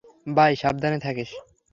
By, সাবধানে থাকিস।